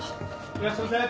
いらっしゃいませ。